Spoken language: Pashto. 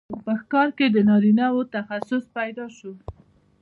په ښکار کې د نارینه وو تخصص پیدا شو.